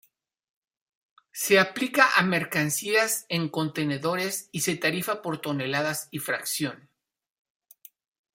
Se aplica a mercancías en contenedores y se tarifa por toneladas y fracción.